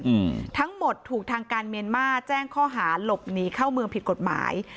อืมทั้งหมดถูกทางการเมียนมาร์แจ้งข้อหาหลบหนีเข้าเมืองผิดกฎหมาย